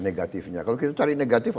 negatifnya kalau kita cari negatif